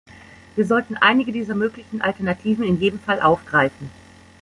Wir sollten einige dieser möglichen Alternativen in jedem Fall aufgreifen.